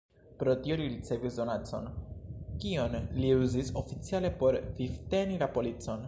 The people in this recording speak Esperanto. Pro tio li ricevis donacon, kion li uzis oficiale por vivteni la policon.